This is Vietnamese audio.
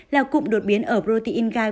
là cụm đột biến ở protein gai